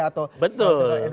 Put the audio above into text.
nah ini betul